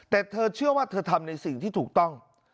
แต่เธอเชื่อว่าเธอทำในสิ่งที่ถูกต้อง